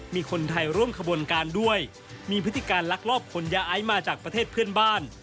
มีคนไทยร่วมขบวนการด้วยมีพฤติการลักลอบขนยาไอซ์มาจากประเทศเพื่อนบ้าน